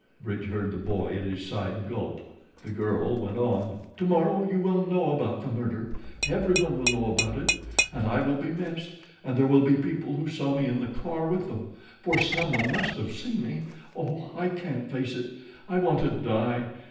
Bridge heard the boy at his side gulp. The girl went on. "To morrow you will know about the murder everyone will know about it; and I will be missed; and there will be people who saw me in the car with them, for someone must have seen me. Oh, I can't face it! I want to die.